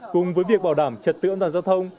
cùng với việc bảo đảm trật tự an toàn giao thông